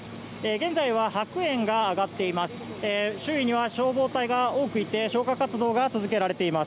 現在は白煙が上がっています。